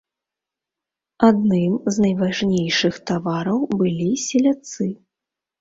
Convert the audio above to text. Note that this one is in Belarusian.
Адным з найважнейшых тавараў былі селядцы.